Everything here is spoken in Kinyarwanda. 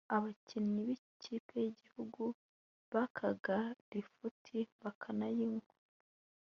Abakinnyi b'ikipe y'igihugu bakaga lifuti (lift) bakanayimwa